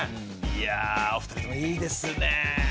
いやお二人ともいいですね。